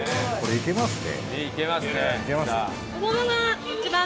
いけますね。